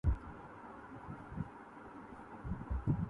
کیا ترا جسم ترے حسن کی حدت میں جلا